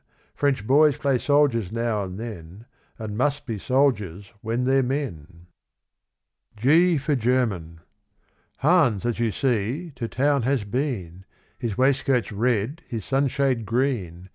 French boys play soldiers now and then, And must be soldiers when they're men. G for German. Hans, as you see, to town has been; His waistcoat's red, his sunshade green.